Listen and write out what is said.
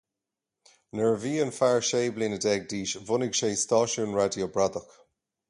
Nuair a bhí an fear sé bliana déag d'aois, bhunaigh sé stáisiún raidió bradach.